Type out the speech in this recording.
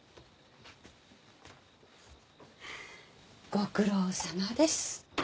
ご苦労さまです。